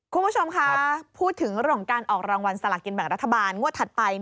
คุณผู้ชมคะพูดถึงเรื่องของการออกรางวัลสลากินแบ่งรัฐบาลงวดถัดไป